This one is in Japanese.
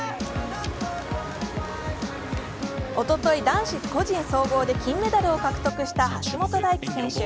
おととい、男子個人総合で金メダルを獲得した橋本大輝選手。